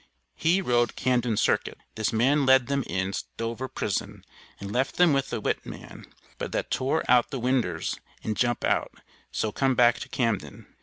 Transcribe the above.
He Road Camden Circuit, this man led them in dover prisin and left them with a whit man; but tha tour out the winders and jump out, so cum back to camden.